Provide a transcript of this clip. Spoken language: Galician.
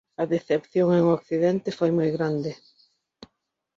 A decepción en Occidente foi moi grande.